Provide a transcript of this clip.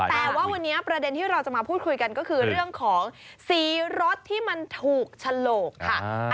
แต่ว่าวันนี้ประเด็นที่เราจะมาพูดคุยกันก็คือเรื่องของสีรถที่มันถูกฉลกค่ะ